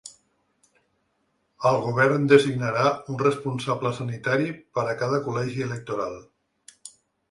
El govern designarà un responsable sanitari per a cada col·legi electoral.